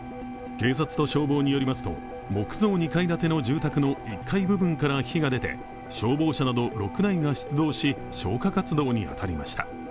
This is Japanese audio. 警察と消防によりますと木造２階建ての１階から火が出て消防車など６台が出動し、消火活動に当たりました。